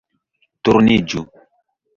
Turniĝu